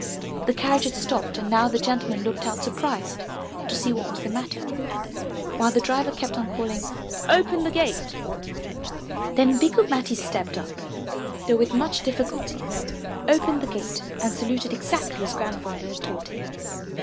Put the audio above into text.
The carriage had stopped and now the gentleman looked out surprised to see what was the matter, while the driver kept on calling, *'Open the gate/' Then Bikku Matti stepped up, though with much difficulty, opened the gate and saluted exactly as Grandfather had taught him.